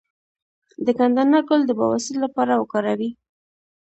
د ګندنه ګل د بواسیر لپاره وکاروئ